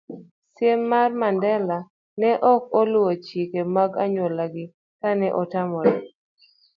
C. mar Mandela ne ok oluwo chike mag anyuolagi kane otamore